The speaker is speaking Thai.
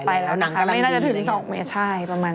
นางกำลังดีสินี่น่าจะถึง๒เมฆใช่ประมาณนี้